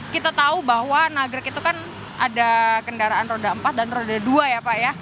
kita tahu bahwa nagrek itu kan ada kendaraan roda empat dan roda dua ya pak ya